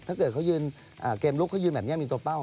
ถ้าเกิดเขายืนเกมลุกเขายืนแบบนี้มีตัวเป้า